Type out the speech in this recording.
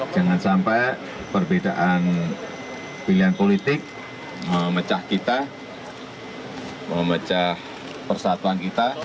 jangan sampai perbedaan pilihan politik memecah kita memecah persatuan kita